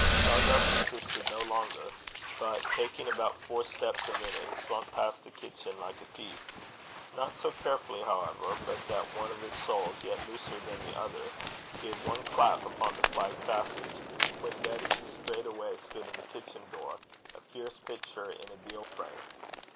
Shargar persisted no longer, but, taking about four steps a minute, slunk past the kitchen like a thief not so carefully, however, but that one of his soles yet looser than the other gave one clap upon the flagged passage, when Betty straightway stood in the kitchen door, a fierce picture in a deal frame.